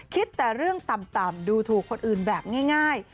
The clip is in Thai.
คิดแต่เรื่องต่ำดูถูกคนอื่นแบบง่าย